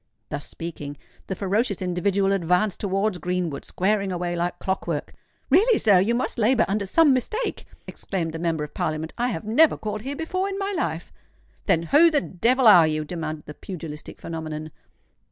Thus speaking, the ferocious individual advanced towards Greenwood, squaring away like clock work. "Really, sir—you must labour under some mistake," exclaimed the Member of Parliament. "I have never called here before in my life." "Then who the devil are you?" demanded the pugilistic phenomenon.